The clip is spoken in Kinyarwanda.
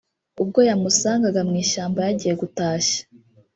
ubwo yamusangaga mu ishyamba yagiye gutashya